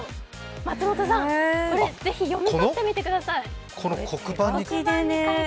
松本さん、ぜひ読み込んでみてください。